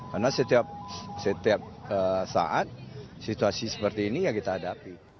karena setiap saat situasi seperti ini yang kita hadapi